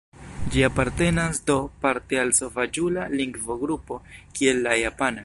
Ĝi apartenas do parte al sovaĝula lingvogrupo kiel la japana.